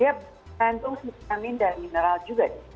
dia kandung vitamin dan mineral juga